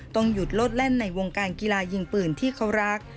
ต้องหยุดโลดแล่นในวงการกีฬายิงปืนที่เขารัก